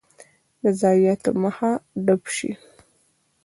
د ضایعاتو مخه ډب شي.